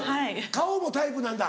顔もタイプなんだ。